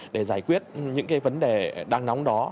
để giải quyết những cái vấn đề đang nóng đó